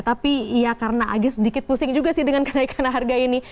tapi ya karena agak sedikit pusing juga sih dengan kenaikan harga ini